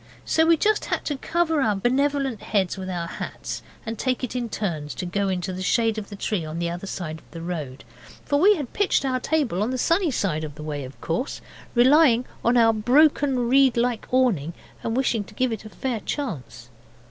So we had just to cover our benevolent heads with our hats, and take it in turns to go into the shadow of the tree on the other side of the road. For we had pitched our table on the sunny side of the way, of course, relying on our broken reed like awning, and wishing to give it a fair chance.